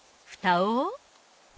ふたを。